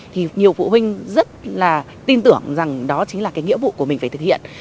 thì nhiều phụ huynh rất là tin tưởng rằng đó chính là cái nghĩa vụ của mình phải thực hiện